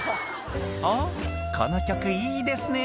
「おっこの曲いいですね